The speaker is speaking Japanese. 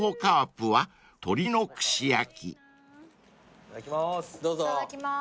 いただきます。